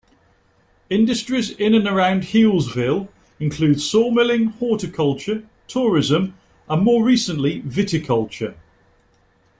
Industries in and around Healesville include sawmilling, horticulture, tourism and, more recently, viticulture.